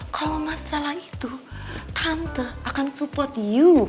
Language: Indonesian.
kalo masalah itu tante akan support you